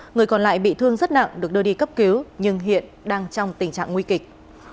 người còn lại bị thương rất nặng được đưa đi cấp cứu nhưng hiện đang trong tình trạng nguy kịch